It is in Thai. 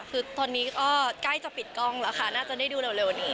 คือตอนนี้ก็ใกล้จะปิดกล้องแล้วค่ะน่าจะได้ดูเร็วนี้